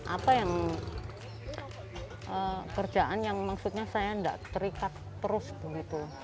apa yang kerjaan yang maksudnya saya tidak terikat terus begitu